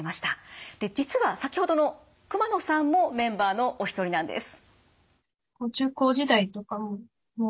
実は先ほどの熊野さんもメンバーのお一人なんです。